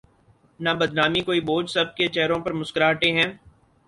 نہ بدنامی کوئی بوجھ سب کے چہروں پر مسکراہٹیں ہیں۔